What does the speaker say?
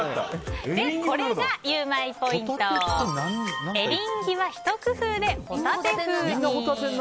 これがゆウマいポイントエリンギはひと工夫でホタテ風に。